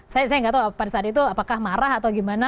saya nggak tahu pada saat itu apakah marah atau gimana